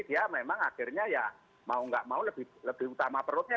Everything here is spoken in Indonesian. dia memang akhirnya ya mau nggak mau lebih utama perutnya